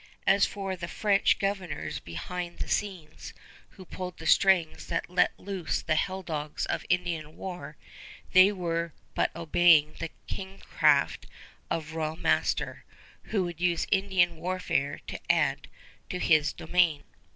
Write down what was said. As for the French governors behind the scenes, who pulled the strings that let loose the helldogs of Indian war, they were but obeying the kingcraft of a royal master, who would use Indian warfare to add to his domain.